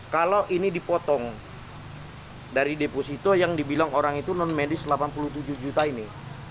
kalau ini dipotong dari deposito yang dibilang orang itu non medis delapan puluh tujuh juta ini